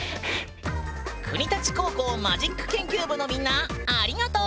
国立高校マジック研究部のみんなありがとう！